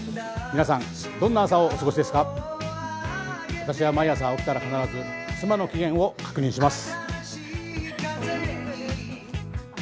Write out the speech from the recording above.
皆さん、どんな朝をお過ごしですか私は毎朝起きたら必ず、妻の機嫌を確認します。